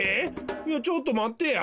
いやちょっとまってや。